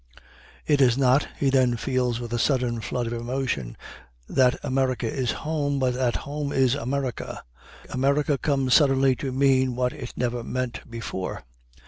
It is not, he then feels with a sudden flood of emotion, that America is home, but that home is America. America comes suddenly to mean what it never meant before.